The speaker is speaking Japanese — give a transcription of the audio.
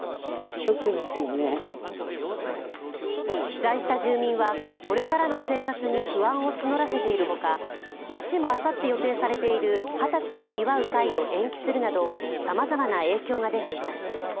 被災した住民はこれからの生活に不安を募らせているほか、町もあさって予定されている二十歳を祝う会を延期するなどさまざまな影響が出ています。